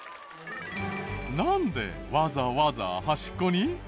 なんでわざわざ端っこに？